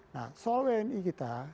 nah soal wni kita